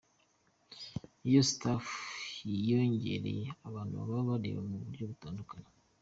Iyo staff yiyongereye, abantu baba bareba mu buryo butandukanye.